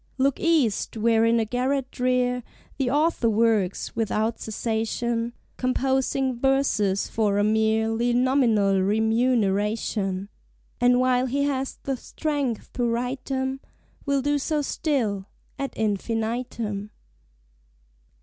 Look East, where in a garret drear, The Author works, without cessation, Composing verses for a mere ly nominal remuneration; And, while he has the strength to write 'em, Will do so still ad infinitum.